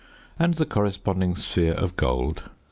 and the corresponding sphere of gold